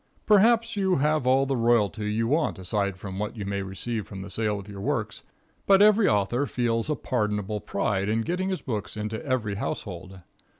Perhaps you have all the royalty you want aside from what you may receive from the sale of your works, but every author feels a pardonable pride in getting his books into every household.